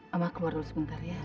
abah keluar dulu sebentar ya